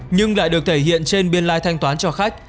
nhưng lại được thể hiện trên biên lai thanh toán cho khách